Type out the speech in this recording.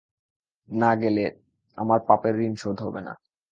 না গেলে আমার পাপের ঋণশোধ হবে না।